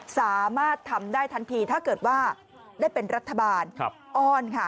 สามารถทำได้ทันทีถ้าเกิดว่าได้เป็นรัฐบาลอ้อนค่ะ